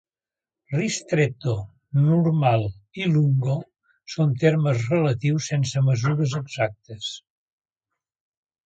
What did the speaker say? Ristretto, normal i lungo són termes relatius sense mesures exactes.